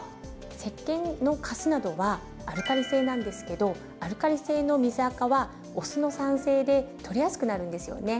せっけんのカスなどはアルカリ性なんですけどアルカリ性の水あかはお酢の酸性で取れやすくなるんですよね。